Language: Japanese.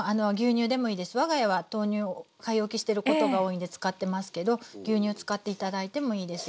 我が家は豆乳買い置きしてることが多いんで使ってますけど牛乳使って頂いてもいいです。